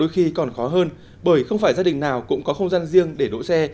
khó hơn bởi không phải gia đình nào cũng có không gian riêng để đổ xe